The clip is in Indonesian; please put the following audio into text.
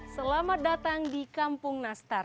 selamat datang di kampung nastar